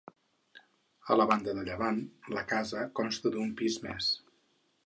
A la banda de llevant la casa consta d'un pis més.